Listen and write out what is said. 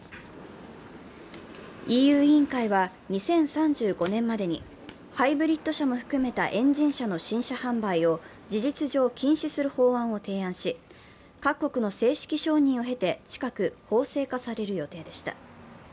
ＥＵ委員会は２０３５年までにハイブリッド車も含めたエンジン車の新車販売を事実上禁止する法案を提案し、各国の正式承認を経て、近く法制化される予定でした。